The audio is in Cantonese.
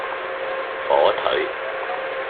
火腿